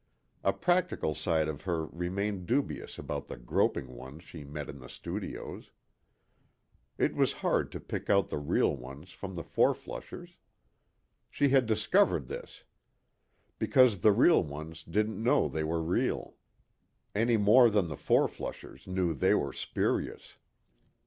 A practical side of her remained dubious about the groping ones she met in the studios. It was hard to pick out the real ones from the fourflushers. She had discovered this. Because the real ones didn't know they were real. Any more than the fourflushers knew they were spurious.